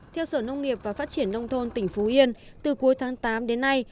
theo sở nông nghiệp và phát triển nông thôn tỉnh phú yên từ cuối tháng tám đến nay